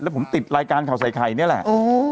แล้วผมติดรายการข่าวใส่ไข่นี่แหละ